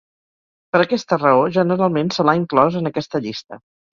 Per aquesta raó, generalment se l'ha inclòs en aquesta llista.